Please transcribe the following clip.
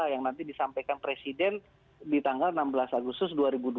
yang nanti disampaikan presiden di tanggal enam belas agustus dua ribu dua puluh